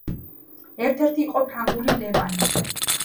ერთ-ერთი იყო ფრანგული „ლე-მანი“.